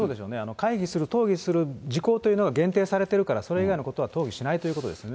会議する、討議する事項というのが限定されているから、それ以外のことは協議しないということですね。